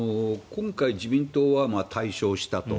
今回、自民党は大勝したと。